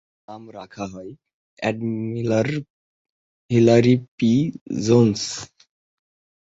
তার নাম রাখা হয় অ্যাডমিরাল হিলারি পি. জোন্স।